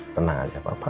tenang aja papa